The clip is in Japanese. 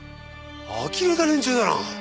呆れた連中だな。